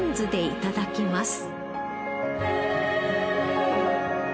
いただきます。